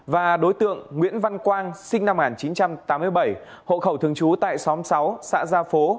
và đối tượng nguyễn văn quang sinh năm một nghìn chín trăm tám mươi bảy hộ khẩu thường trú tại xóm sáu xã gia phố